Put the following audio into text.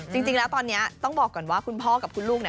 จริงแล้วตอนนี้ต้องบอกก่อนว่าคุณพ่อกับคุณลูกเนี่ย